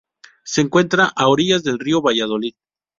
Se encuentra a orillas del río Valladolid.